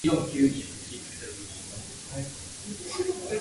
Wayne "No Offense" Kitchens was unable to return due to other obligations.